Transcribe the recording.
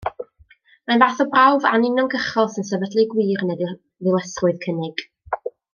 Mae'n fath o brawf anuniongyrchol sy'n sefydlu gwir neu ddilysrwydd cynnig.